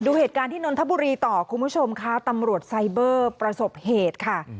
ดูเหตุการณ์ที่นนทบุรีต่อคุณผู้ชมค่ะตำรวจไซเบอร์ประสบเหตุค่ะ